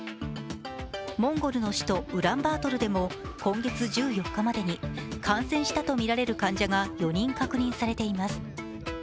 モンゴルの首都・ウランバートルでも今月１４日までに感染したとみられる患者が４人確認されています。